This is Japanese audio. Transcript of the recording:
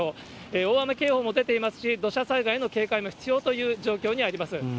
大雨警報も出ていますし、土砂災害の警戒も必要という状況にあります。